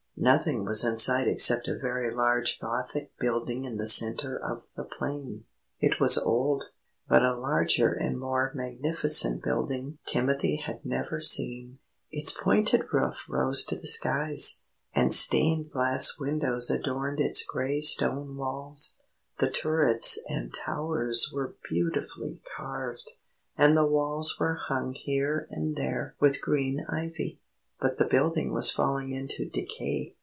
Nothing was in sight except a very large Gothic building in the centre of the plain. It was old, but a larger and more magnificent building Timothy had never seen. Its pointed roof rose to the skies, and stained glass windows adorned its gray stone walls. The turrets and towers were beautifully carved, and the walls were hung here and there with green ivy. But the building was falling into decay.